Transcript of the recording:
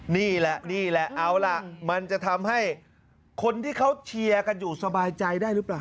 นี่แหละนี่แหละเอาล่ะมันจะทำให้คนที่เขาเชียร์กันอยู่สบายใจได้หรือเปล่า